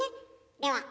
では。